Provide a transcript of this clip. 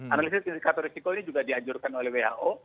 analisis indikator risiko ini juga dianjurkan oleh who